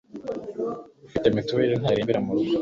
ufite mituweli ntarembera mu rugo